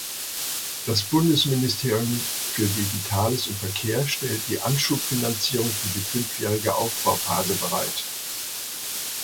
Das Bundesministerium für Digitales und Verkehr stellt die Anschubfinanzierung für die fünfjährige Aufbauphase bereit.